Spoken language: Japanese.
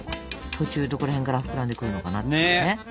途中どこら辺から膨らんでくるのかなって。ね。